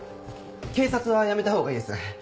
警察はやめたほうがいいです